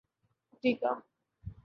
افریقہ